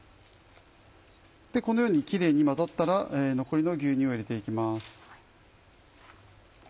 このようにきれいに混ざったら残りの牛乳を入れて行きます。